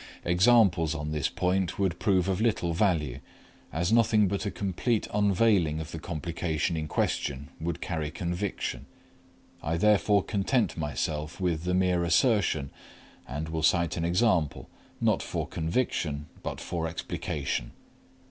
Examples on this point would prove of little value, as nothing but a complete unveiling of the complication in question would carry conviction. I therefore content myself with the mere assertion, and will cite an example, not for conviction but for explication.